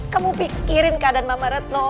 kamu pikirin keadaan mama retno